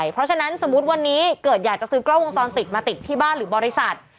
เพราะฉะนั้นสมมุติวันนี้เกิดอยากจะซื้อกล้องวงจรปิดมาติดที่บ้านหรือบริษัท